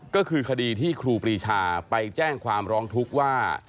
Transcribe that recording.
ก็คือคดีที่ครูปรีชาไปแจ้งความร้องทุกข์ว่า